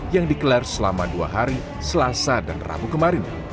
yang dikelar selama dua hari selasa dan rabu kemarin